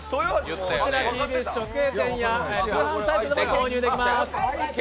こちら、ＴＢＳ直営店や通販サイトで購入できます。